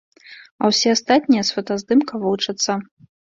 А ўсе астатнія з фотаздымка вучацца.